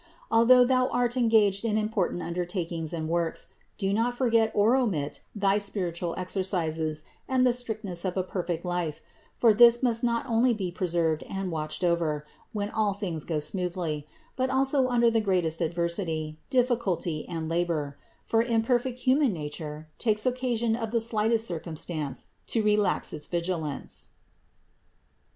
Al though thou art engaged in important undertakings and works, do not forget or omit thy spiritual exercises and the strictness of a perfect life; for this must not only be preserved and watched over, when all things go smoothly, but also under the greatest adversity, diffi culty and labor; for imperfect human nature takes oc casion of the slightest circumstance to relax its vigilance.